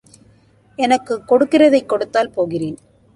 எனக்குக் கொடுக்கிறதைக் கொடுத்தால் போகிறேன்.